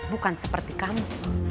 bukan seperti kamu